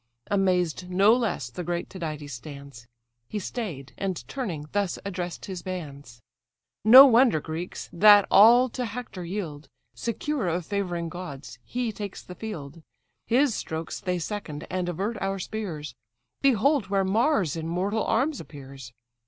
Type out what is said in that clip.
Amazed no less the great Tydides stands: He stay'd, and turning thus address'd his bands: "No wonder, Greeks! that all to Hector yield; Secure of favouring gods, he takes the field; His strokes they second, and avert our spears. Behold where Mars in mortal arms appears!